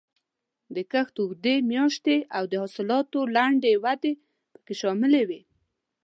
د کښت اوږدې میاشتې او د حاصلاتو لنډې دورې پکې شاملې وې.